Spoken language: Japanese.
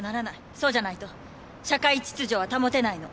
そうじゃないと社会秩序は保てないの。